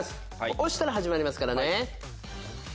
押したら始まりますからね。